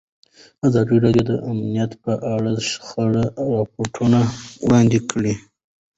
ازادي راډیو د امنیت په اړه د شخړو راپورونه وړاندې کړي.